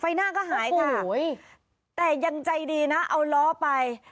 หน้าก็หายค่ะแต่ยังใจดีนะเอาล้อไป